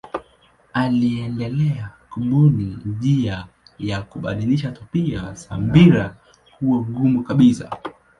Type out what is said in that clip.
Aliendelea kubuni njia ya kubadilisha tabia za mpira kuwa mgumu kabisa.